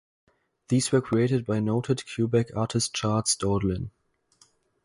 These were created by noted Quebec artist Charles Daudelin.